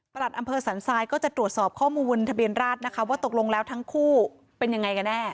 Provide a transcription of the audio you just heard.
อำเภอสันทรายก็จะตรวจสอบข้อมูลบนทะเบียนราชนะคะว่าตกลงแล้วทั้งคู่เป็นยังไงกันแน่